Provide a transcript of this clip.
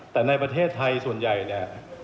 แต่ในประเทศไทยส่วนใหญ่